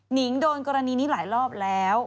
นิงโดนกรณีนี้หลายรอบแล้ว